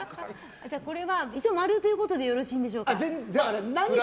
じゃあこれは、一応〇でよろしいんでしょうか。